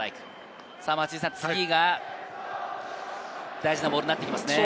次が大事なボールになってきますね。